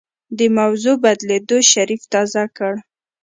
د موضوع بدلېدو شريف تازه کړ.